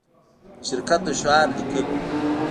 د شرکت د شعار لیکل